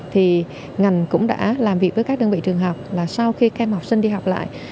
thì ngành cũng đã làm việc với các đơn vị trường học là sau khi các em học sinh đi học lại